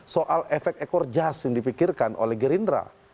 soal efek ekor jas yang dipikirkan oleh gerindra